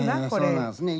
そうなんですね